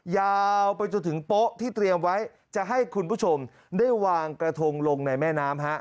ยาวไปจนถึงโป๊ะที่เตรียมไว้จะให้คุณผู้ชมได้วางกระทงลงในแม่น้ำฮะ